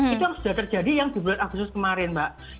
itu yang sudah terjadi yang di bulan agustus kemarin mbak